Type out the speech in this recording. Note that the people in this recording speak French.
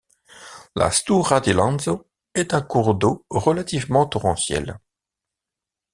La Stura di Lanzo est un cours d’eau relativement torrentiel.